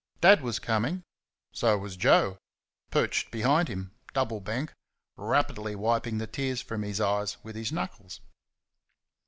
Dad was coming; so was Joe perched behind him, "double bank," rapidly wiping the tears from his eyes with his knuckles.